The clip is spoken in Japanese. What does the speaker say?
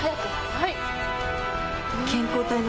はい。